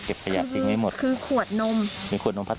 พ่อเก็บขวดนมพลาด